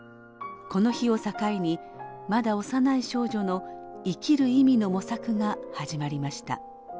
この日を境にまだ幼い少女の生きる意味の模索が始まりました。